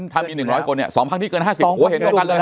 ถ้ามี๑๐๐คน๒พัคดิกเกิน๕๐กัน